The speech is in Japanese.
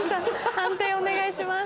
判定お願いします。